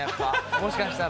もしかしたら。